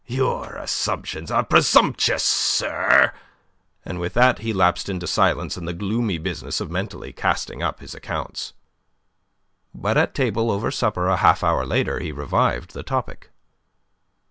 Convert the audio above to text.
Your assumptions are presumptuous, sir." And with that he lapsed into silence and the gloomy business of mentally casting up his accounts. But at table over supper a half hour later he revived the topic.